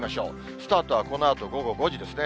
スタートはこのあと午後５時ですね。